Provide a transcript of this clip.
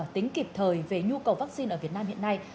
tính kịp thời về nhu cầu vắc xin ở việt nam hiện nay